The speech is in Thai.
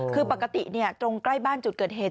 คือปกติตรงใกล้บ้านจุดเกิดเหตุ